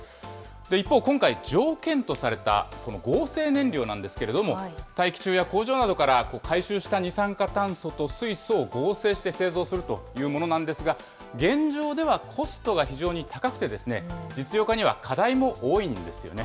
一方、今回条件とされたこの合成燃料なんですけれども、大気中や工場などから回収した二酸化炭素と水素を合成して製造するというものなんですが、現状ではコストが非常に高くて、実用化には課題も多いんですよね。